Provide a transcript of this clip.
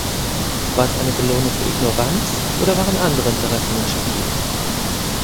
War es eine Belohnung für Ignoranz oder waren andere Interessen im Spiel?